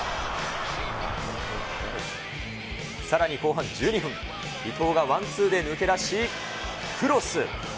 さらに後半１２分、伊東がワンツーで抜け出し、クロス。